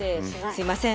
すいません。